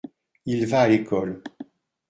Il va à l’école.